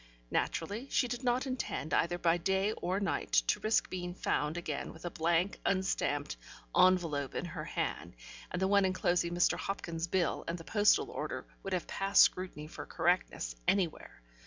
Naturally, she did not intend, either by day or night, to risk being found again with a blank unstamped envelope in her hand, and the one enclosing Mr. Hopkins's bill and the postal order would have passed scrutiny for correctness, anywhere.